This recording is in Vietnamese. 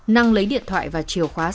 năng lấy điện thoại và trả tiền cho anh cường